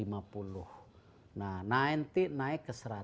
nah nanti naik ke seratus